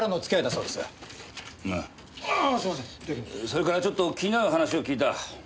それからちょっと気になる話を聞いた。